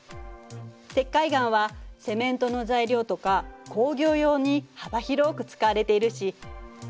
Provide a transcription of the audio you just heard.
石灰岩はセメントの材料とか工業用に幅広く使われているしこれもそうよ。